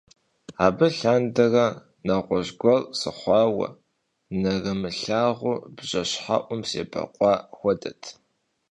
Абы лъандэрэ нэгъуэщӀ гуэр сыхъуауэ, нэрымылъагъу бжэщхьэӀум себэкъуа хуэдэт.